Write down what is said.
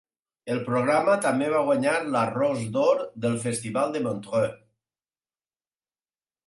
El programa també va guanyar la Rose d'Or del Festival de Montreux.